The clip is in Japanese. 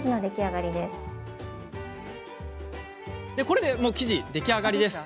なんと、これで生地の出来上がり。